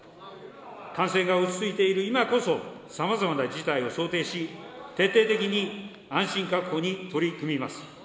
感染が落ち着いている今こそ、さまざまな事態を想定し、徹底的に安心確保に取り組みます。